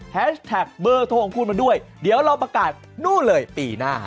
แท็กเบอร์โทรของคุณมาด้วยเดี๋ยวเราประกาศนู่นเลยปีหน้า